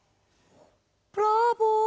ブラボー。